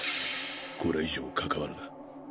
これ以上関わるな。